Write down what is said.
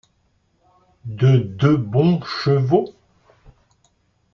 De deux bons chevaux?